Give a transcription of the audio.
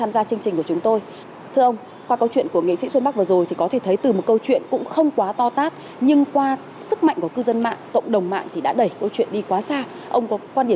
câu chuyện của xuân bắc kết thúc chuyện ngụ ngôn bằng câu cả nhà tôi